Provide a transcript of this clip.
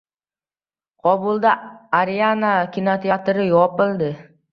Qobulda “Ariana” kinoteatri yopildi